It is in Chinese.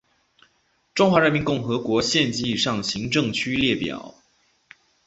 中华人民共和国县级以上行政区列表